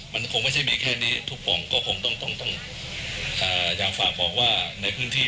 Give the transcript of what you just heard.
มันคงไม่ใช่มีแค่นี้ทุกปล่องก็คงต้องต้องอยากฝากบอกว่าในพื้นที่